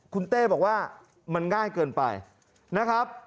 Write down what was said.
คุณเต้บอกว่ามันง่ายเกินไปนะครับ